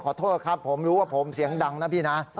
ขอโทษครับผมรู้ว่าผมเสียงดังนะพี่นะ